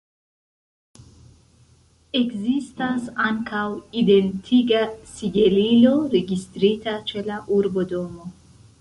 Ekzistas ankaŭ identiga sigelilo registrita ĉe la urbodomo.